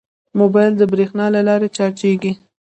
موبایل د بریښنا له لارې چارجېږي.